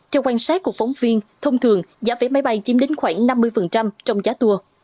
theo quan sát của phóng viên thông thường giá vé máy bay chiếm đến khoảng năm mươi trong giá tour